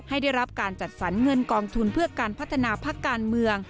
ได้รับการจัดสรรเงินกองทุนเพื่อการพัฒนาพักการเมือง